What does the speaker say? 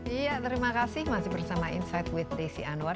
iya terima kasih masih bersama insight with desi anwar